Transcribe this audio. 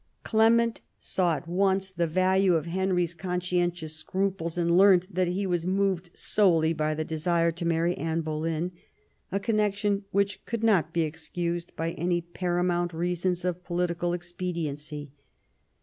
Clement saw at once the value of Henry's conscientious scruples, and learned that he was moved solely by a desire to marry Anne Boleyn, a. connection which could not be excused by any paramount reasons of political expediency.